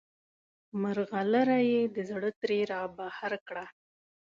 مرغلره یې د زړه ترې رابهر کړه.